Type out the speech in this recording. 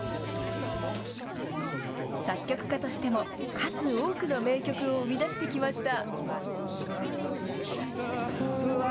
作曲家としても数多くの名曲を生み出してきました。